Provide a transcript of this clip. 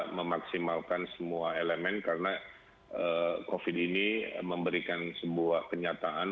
memaksimalkan semua elemen karena covid ini memberikan sebuah kenyataan